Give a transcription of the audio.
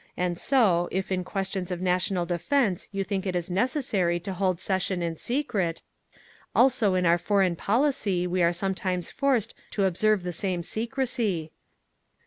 And so, if in questions of national defence you think it is necessary to hold session in secret, also in our foreign policy we are sometimes forced to observe the same secrecy….